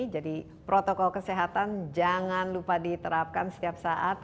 jadi protokol kesehatan jangan lupa diterapkan setiap saat